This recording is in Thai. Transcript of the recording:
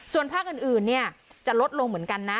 ส่วนภาคอื่นจะลดลงเหมือนกันนะ